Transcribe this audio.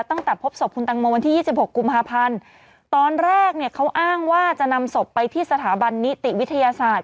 ตั้งแต่พบศพคุณตังโมวันที่ยี่สิบหกกุมภาพันธ์ตอนแรกเนี่ยเขาอ้างว่าจะนำศพไปที่สถาบันนิติวิทยาศาสตร์